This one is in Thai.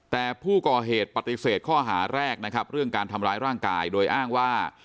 แต่ผู้ก่อเหตุปฏิเสธข้อหาแรกนะครับเรื่องการทำร้ายร่างกายโดยอ้างว่า